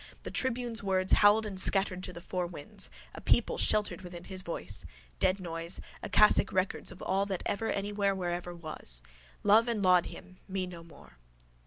The tribune's words, howled and scattered to the four winds. A people sheltered within his voice. Dead noise. Akasic records of all that ever anywhere wherever was. Love and laud him: me no more.